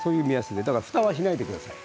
ですからふたはしないでください。